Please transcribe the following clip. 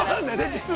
◆実は。